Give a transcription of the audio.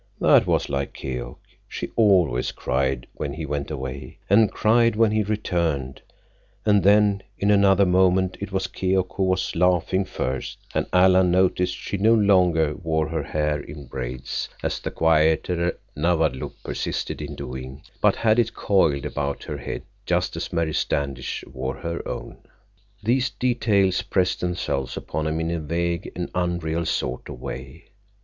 That was like Keok. She always cried when he went away, and cried when he returned; and then, in another moment, it was Keok who was laughing first, and Alan noticed she no longer wore her hair in braids, as the quieter Nawadlook persisted in doing, but had it coiled about her head just as Mary Standish wore her own. These details pressed themselves upon him in a vague and unreal sort of way.